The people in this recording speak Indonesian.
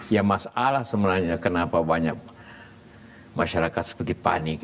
ya masalah sebenarnya kenapa banyak masyarakat seperti panik